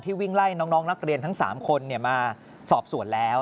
วิ่งไล่น้องนักเรียนทั้ง๓คนมาสอบสวนแล้ว